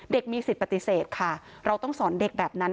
มีสิทธิ์ปฏิเสธค่ะเราต้องสอนเด็กแบบนั้น